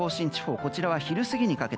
こちらは昼過ぎにかけて。